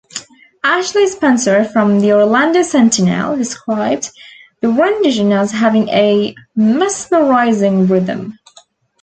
Ashley Spencer from the "Orlando Sentinel" described the rendition as having a "mesmerizing rhythm".